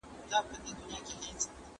ما هېڅکله خپله پانګه بې ځایه نه لګوله.